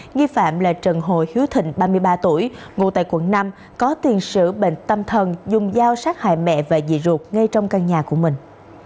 nghi phạm là trần hồ hiếu thịnh ba mươi ba tuổi ngụ tại quận năm có tiền sử bệnh tâm thần dùng dao sát hại mẹ và dị ruột ngay trong căn nhà của mình